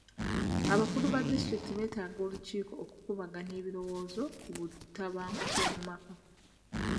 Abakulu ba disitulikiti baategeka olukiiko okukubaganya ebirowoozo ku butabanguko mu maka.